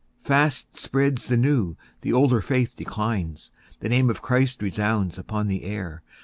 Fast spreads the new; the older faith declines. The name of Christ resounds upon the air.